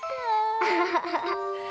アハハハ。